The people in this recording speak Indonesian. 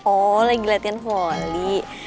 oh lagi latihan voli